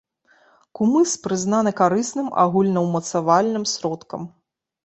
Кумыс прызнаны карысным агульнаўмацавальным сродкам.